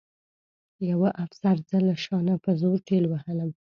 یوه افسر زه له شا نه په زور ټېل وهلم